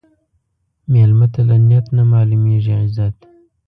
مېلمه ته له نیت نه معلومېږي عزت.